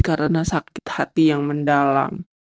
karena sakit hati yang mendalam